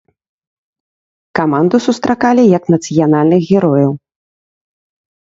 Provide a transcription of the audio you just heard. Каманду сустракалі як нацыянальных герояў.